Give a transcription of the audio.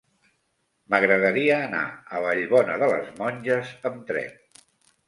M'agradaria anar a Vallbona de les Monges amb tren.